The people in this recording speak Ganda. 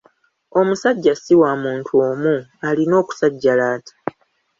Omusajja si wa muntu omu, alina okusajjalaata.